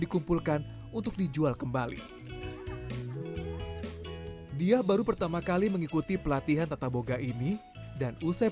dikumpulkan untuk dijual kembali dia baru pertama kali mengikuti pelatihan tata boga ini dan usai